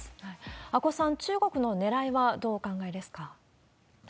阿古さん、中国のねらいはどうお考えですか？